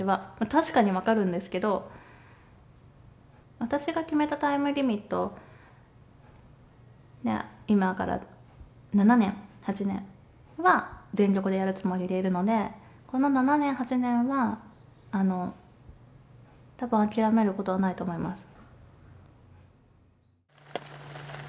確かに分かるんですけれども、私が決めたタイムリミットの、今から７年、８年は全力でやるつもりでいるので、この７年、８年は、たぶん諦めることはないと思います。